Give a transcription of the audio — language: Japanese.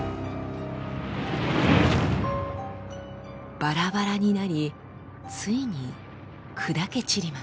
バラバラになりついに砕け散ります。